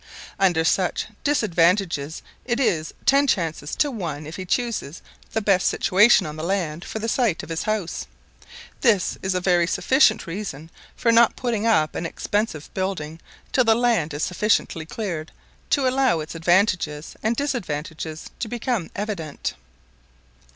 Under such disadvantages it is ten chances to one if he chooses the best situation on the land for the site of his house. This is a very sufficient reason for not putting up an expensive building till the land is sufficiently cleared to allow its advantages and disadvantages to become evident.